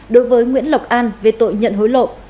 đối với nguyễn lộc an về tội nhận hối lộ